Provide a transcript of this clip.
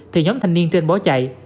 thì nhóm thanh niên trên bó chạy